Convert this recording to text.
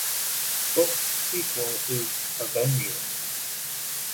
The book's sequel is "Avenger".